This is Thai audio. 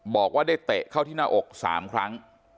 บอกว่าได้เตะเข้าที่หน้าอก๓ครั้ง